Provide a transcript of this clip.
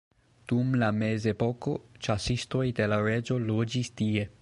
Dum la mezepoko ĉasistoj de la reĝo loĝis tie.